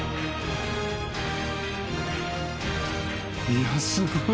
いやすごい。